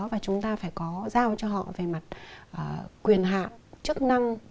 và chúng ta phải có giao cho họ về mặt quyền hạ chức năng